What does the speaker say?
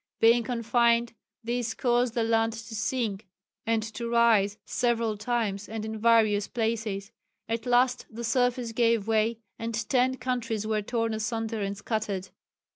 Being confined, these caused the land to sink and to rise several times and in various places. At last the surface gave way and ten countries were torn asunder and scattered.